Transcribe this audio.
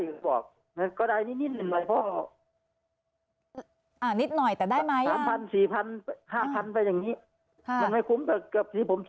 แล้วผมก็อยากจะถามว่าเขาว่ามันคนที่ตัวผมเขาตายไปแล้ว